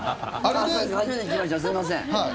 初めて聞きましたすいません。